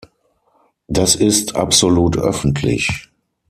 Das ist absolut öffentlich.